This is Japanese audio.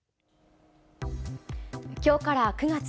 きょうから９月。